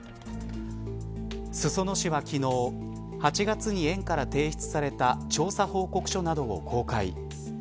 裾野市は昨日８月に園から提出された調査報告書などを公開。